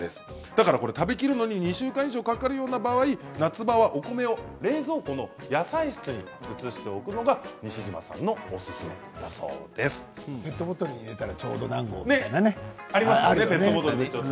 だから食べ切るのに２週間以上かかるような場合夏場はお米を冷蔵庫の野菜室に移しておくのが西島さんのペットボトルに入れたらちょうど何合というのがありますよね。